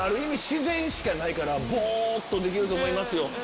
自然しかないからぼっとできると思いますよ。